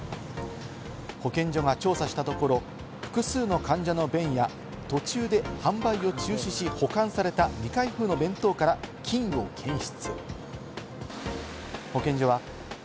保健所が調査したところ、複数の患者の便や、途中で販売を中止し、保管された未開封の弁当から菌を検出。